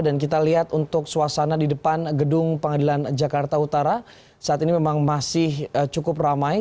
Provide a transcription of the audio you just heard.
dan kita lihat untuk suasana di depan gedung pengadilan jakarta utara saat ini memang masih cukup ramai